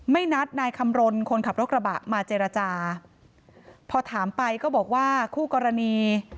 นัดนายคำรณคนขับรถกระบะมาเจรจาพอถามไปก็บอกว่าคู่กรณี